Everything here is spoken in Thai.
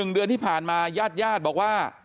๑เดือนที่ผ่านมาญาติญาติบอกว่า